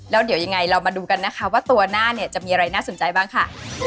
แล้วเดี๋ยวยังไงเรามาดูกันนะคะว่าตัวหน้าเนี่ยจะมีอะไรน่าสนใจบ้างค่ะ